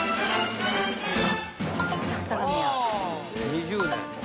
２０年。